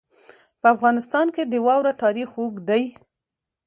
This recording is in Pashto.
په افغانستان کې د واوره تاریخ اوږد دی.